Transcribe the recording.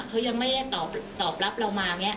เขายังไม่ได้ตอบรับเรามา